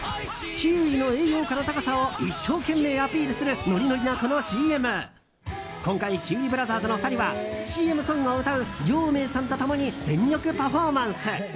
キウイの栄養価の高さを一生懸命アピールする今回、キウイブラザーズの２人はＣＭソングを歌うりょーめーさんと共に全力パフォーマンス！